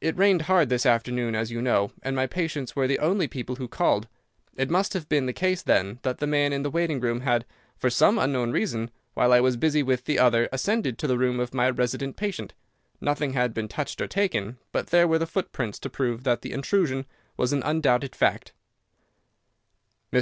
It rained hard this afternoon, as you know, and my patients were the only people who called. It must have been the case, then, that the man in the waiting room had, for some unknown reason, while I was busy with the other, ascended to the room of my resident patient. Nothing had been touched or taken, but there were the footprints to prove that the intrusion was an undoubted fact. "Mr.